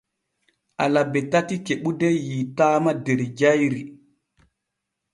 Alabe tati kebude yiitaama der jayri.